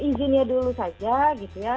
izinnya dulu saja gitu ya